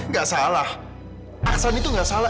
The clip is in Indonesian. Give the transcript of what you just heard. gak salah aksan itu gak salah